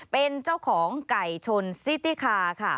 เป็นเจ้าของไก่ชนซิติคาค่ะ